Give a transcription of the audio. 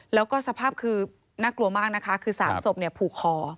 แล้วก็สภาพคือน่ากลัวมากนะคะคือ๓ศพผูกคอ